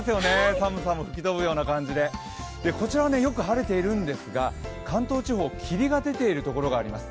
寒さも吹き飛ぶような感じでこちらはよく晴れているんですが関東地方、霧が出ているところがあります。